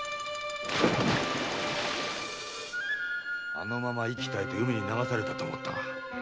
あのまま息絶えて海に流されたと思ったが。